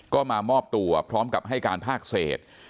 ก็มามอบตัวพร้อมกับให้การภาคเศษ